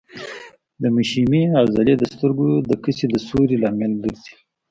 د مشیمیې عضلې د سترګو د کسي د سوري لامل ګرځي.